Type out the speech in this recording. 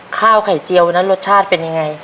ข้าวไข่เจียววันนั้นรสชาติเป็นยังไง